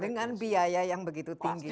dengan biaya yang begitu tinggi